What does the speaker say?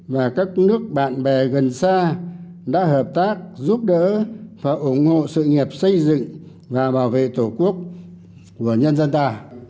và các nước bạn bè gần xa đã hợp tác giúp đỡ và ủng hộ sự nghiệp xây dựng và bảo vệ tổ quốc của nhân dân ta